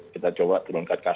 kita coba turunkan karun